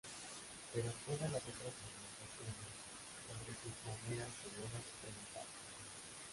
Pero todas las otras conversaciones sobre sus maneras severas fueron falsas.